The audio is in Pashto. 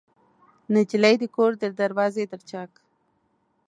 نجلۍ د کور د دروازې تر چاک